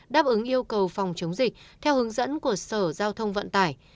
đáp ứng yêu cầu phòng chống dịch theo hướng dẫn của sở giao thông vận tải